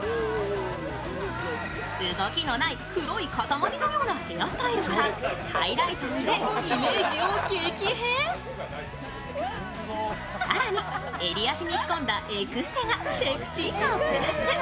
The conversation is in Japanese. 動きのない黒い塊のようなヘアスタイルからハイライトを入れ、イメージを激変更に、襟足に仕込んだエクステがセクシーさをプラス。